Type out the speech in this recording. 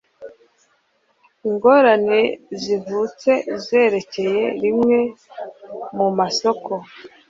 ingorane zivutse zerekeye rimwe mu masoko